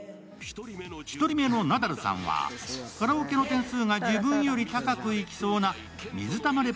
１人目のナダルさんはカラオケの点数が自分より高くいきそうな水玉れっ